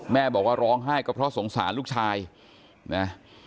แม่บอกว่าร้องไห้ก็เพราะสงสารลูกชายนะ